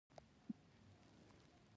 اوړه د پخلي لومړی قدم دی